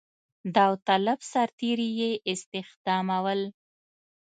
داوطلب سرتېري یې استخدامول.